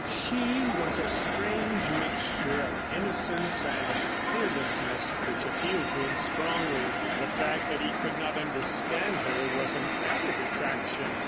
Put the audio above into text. She was a strange mixture of innocence and fearlessness which appealed to him strongly. The fact that he could not understand her was an added attraction.